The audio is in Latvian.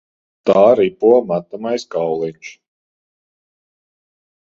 Tā ripo metamais kauliņš.